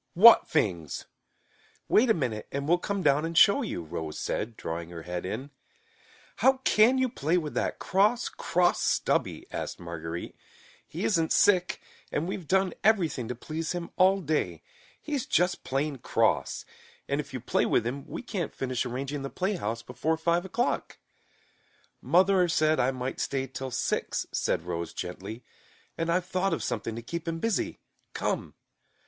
"What fings?" "Wait a minute and we'll come down and show you," Rose said, drawing her head in. "How can you play with that cross, cross Stubby?" asked Marguerite. "He isn't sick, and we've done everything to please him all day. He's just plain cross. And if you play with him we can't finish arranging the playhouse before five o'clock." [Illustration: Copyright by Underwood & Underwood, N.Y.] "Mother said I might stay till six," said Rose gently, "and I've thought of something to keep him busy. Come!"